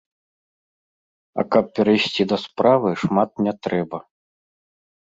А каб перайсці да справы, шмат не трэба.